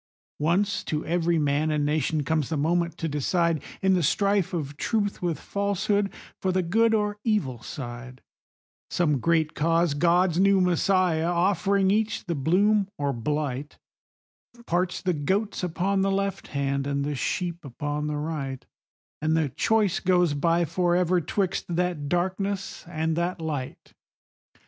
Once to every man and nation comes the moment to decide, In the strife of Truth with Falsehood, for the good or evil side; Some great cause, God's new Messiah, offering each the bloom or blight, Parts the goats upon the left hand, and the sheep upon the right, And the choice goes by forever 'twixt that darkness and that light.